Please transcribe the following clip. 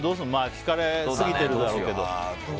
聞かれすぎてるだろうけど。